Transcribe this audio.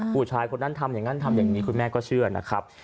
ผู้ชายคนนั้นทำอย่างนั้นทำอย่างนี้คุณแม่ก็เชื่อนะครับ